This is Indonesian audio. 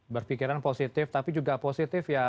berpikiran positif tapi juga positif ya